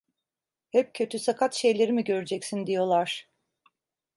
"Hep kötü, sakat şeyleri mi göreceksin?" diyorlar.